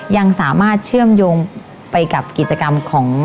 ยังสามารถเชื่อมโยงไปกับกิจกรรมของ